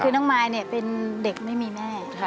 คือน้องมายเนี่ยเป็นเด็กไม่มีแม่